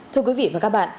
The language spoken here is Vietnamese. thưa quý vị và các bạn